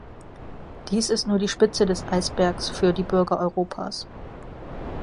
Dies ist nur die Spitze des Eisbergs für die Bürger Europas.